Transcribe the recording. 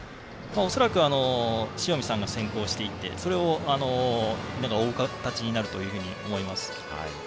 恐らく塩見さんが先行していってそれをみんなが追う形になると思います。